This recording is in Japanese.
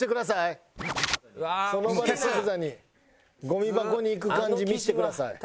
ゴミ箱に行く感じ見せてください。